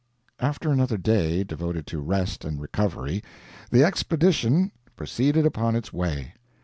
After another day devoted to rest and recovery, the expedition proceeded upon its way.